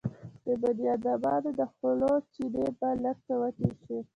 د بنيادمانو د خولو چينې به لږ څه وچې شوې.